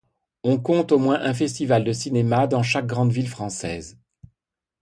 On compte au moins un festival de cinéma dans chaque grande ville française.